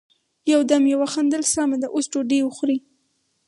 يو دم يې وخندل: سمه ده، اوس ډوډی وخورئ!